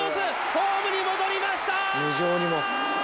ホームに戻りました！